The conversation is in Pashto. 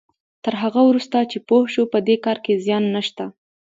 تر هغه وروسته چې پوه شو په دې کار کې زيان نشته.